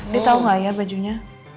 dia tau gak ya bajunya